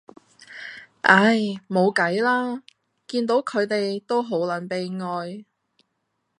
唉，冇計呀，見到佢哋都好撚悲哀